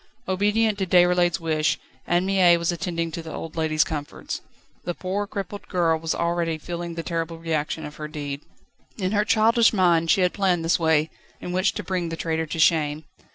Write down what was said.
Obedient to Déroulède's wish, Anne Mie was attending to the old lady's comforts. The poor, crippled girl was already feeling the terrible reaction of her deed. In her childish mind she had planned this way, in which to bring the traitor to shame.